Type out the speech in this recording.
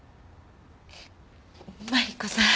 マリコさん。